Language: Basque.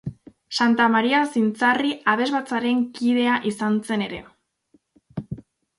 Santa Maria-Zintzarri abesbatzaren kidea izan zen ere.